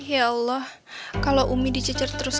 ya allah kalau umi dicecer terus